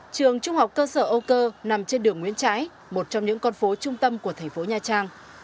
trường trung học cơ sở âu cơ nằm trên đường nguyễn trái một trong những con phố trung tâm của thành phố nha trang